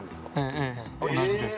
ええ同じです。